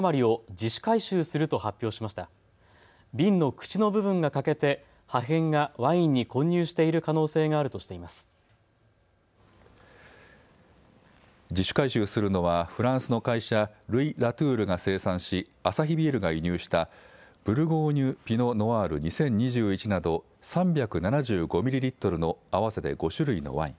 自主回収するのはフランスの会社、ルイ・ラトゥールが生産しアサヒビールが輸入したブルゴーニュ・ピノ・ノワール２０２１など３７５ミリリットルの合わせて５種類のワイン